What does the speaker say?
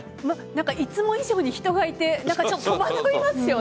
いつも以上に人がいて戸惑いますよね。